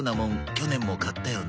去年も買ったよな。